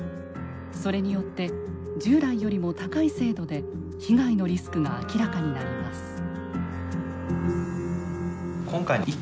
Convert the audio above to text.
それによって従来よりも高い精度で被害のリスクが明らかになります。